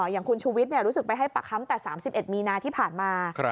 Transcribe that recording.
อย่างคุณชูวิทย์รู้สึกไปให้ปากคำแต่๓๑มีนาที่ผ่านมา